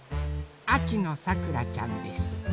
あきのさくらちゃんです。